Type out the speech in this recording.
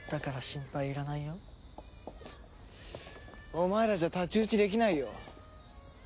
お前らじゃ太刀打ちできないよ。